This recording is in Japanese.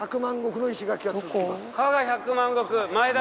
加賀百万石！